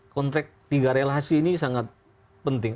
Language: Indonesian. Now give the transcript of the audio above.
kontrak tiga relasi ini sangat penting